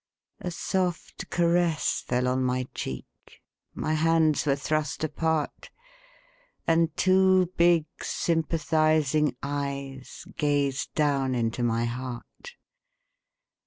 A soft caress fell on my cheek, My hands were thrust apart. And two big sympathizing eyes Gazed down into my heart.